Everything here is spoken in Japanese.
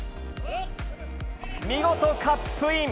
見事カップイン。